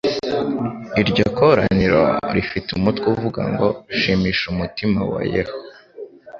Iryo koraniro rifite umutwe uvuga ngo: “Shimisha umutima wa Yeho